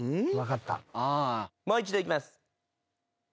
もう一度いきます。